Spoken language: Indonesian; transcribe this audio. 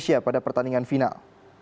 apa yang terjadi pada pertandingan final